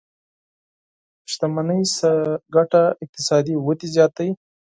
شتمنۍ څخه ګټه اقتصادي ودې زياته وي.